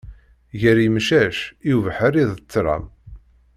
Gar yemcac, i ubeḥri d ṭlam.